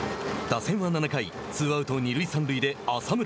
打線は７回ツーアウト、二塁三塁で浅村。